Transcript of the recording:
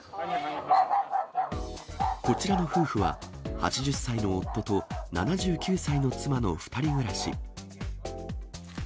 こちらの夫婦は、８０歳の夫と７９歳の妻の２人暮らし。